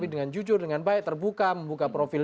dengan jujur dengan baik terbuka membuka profil